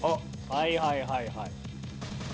はいはいはいはい。